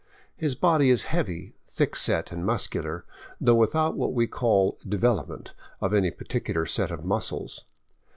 His body is heavy, thick set, and muscular, though without what we call " development " of any particular set of muscles.